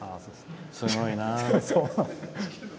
すごいな。